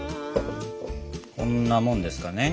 こんなもんですかね。